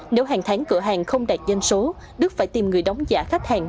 nếu hàng tháng cửa hàng không đạt danh số đức phải tìm người đóng giả khách hàng